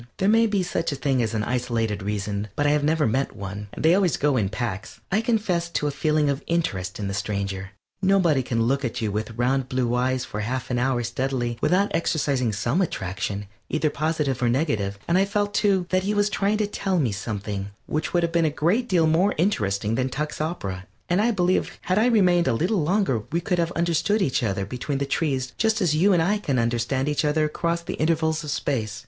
There may be such a thing as an isolated reason, but I have never met one they always go in packs. I confess to a feeling of interest in the stranger. Nobody can look at you with round blue eyes for half an hour steadily without exercising some attraction, either positive or negative, and I felt, too, that he was trying to tell me something which would have been a great deal more interesting than Tuck's opera, and I believe had I remained a little longer we could have understood each other between the trees just as you and I can understand each other across the intervals of space.